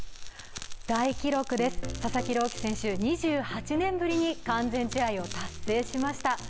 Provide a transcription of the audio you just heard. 大記録です、佐々木朗希選手、２８年ぶりに完全試合を達成しました。